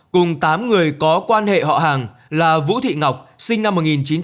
cùng tám người có quan hệ họ hàng là vũ thị ngọc sinh năm một nghìn chín trăm tám mươi